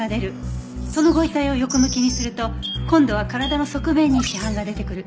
そのご遺体を横向きにすると今度は体の側面に死斑が出てくる。